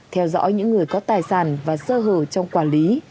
theo dõi những người có tài sản và sơ hở trong quản lý